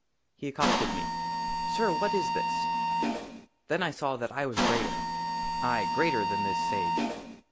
HE ACCOSTED ME :" SIR, WHAT IS THIS ?" THEN I SAW THAT I WAS GREATER, AYE, GREATER THAN THIS SAGE.